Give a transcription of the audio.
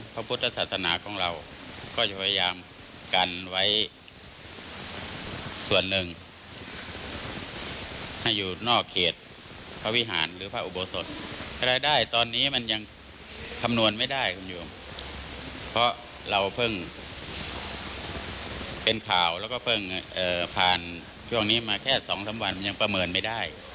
พอเราเพิ่งเป็นข่าวแล้วก็พันช่วงนี้มาแค่๒๒วันยังประเมินไม่ได้